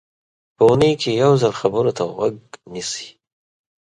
په اوونۍ کې یو ځل خبرو ته غوږ نیسي.